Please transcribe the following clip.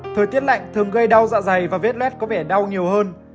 thời tiết lạnh thường gây đau dạ dày và vết lết có vẻ đau nhiều hơn